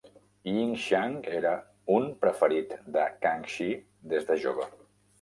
Yinxiang era un preferit de Kangxi des de jove.